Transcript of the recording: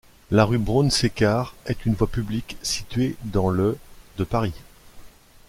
La rue Brown-Séquard est une voie publique située dans le de Paris.